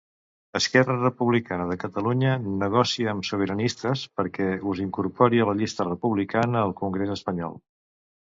Esquerra Republicana de Catalunya negocia amb Sobiranistes perquè us incorpori a la llista republicana al congrés espanyol.